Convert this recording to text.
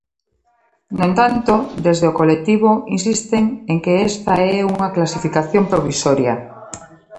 No entanto, desde o colectivo insisten en que esta é unha clasificación provisoria.